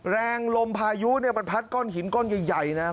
แรงลมพายุเนี่ยมันพัดก้อนหินก้อนใหญ่นะครับ